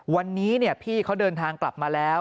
วันนี้พี่เขาเดินทางกลับมาแล้ว